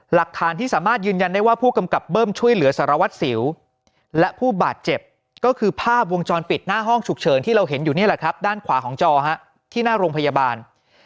หลักฐานที่สามารถยืนยันได้ว่าผู้กำกับเบิ้มช่วยเหลือสารวัตรสิวและผู้บาดเจ็บก็คือภาพวงจรปิดหน้าห้องฉุกเฉินที่เราเห็นอยู่นี่แหละครับด้านขวาของจอที่หน้าโรงพยาบาล